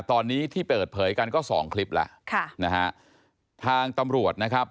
ตอนนี้ที่เปิดเผยกันก็สองคลิปแล้วค่ะนะฮะทางตำรวจนะครับ